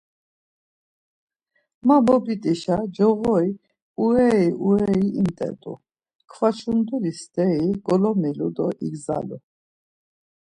Ma mobit̆işa coğori ureri ureri imt̆et̆u, kva şunduli steri golomilu do igzalu.